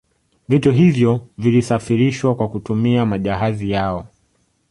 Vitu hivyo vilisafirishwa kwa kutumia majahazi yao